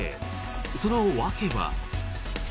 その訳は。